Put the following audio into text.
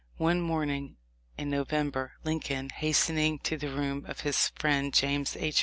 One morning in Novem ber, Lincoln, hastening to the room of his friend James H.